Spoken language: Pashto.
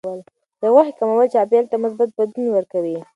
د غوښې کمول چاپیریال ته مثبت بدلون ورکوي.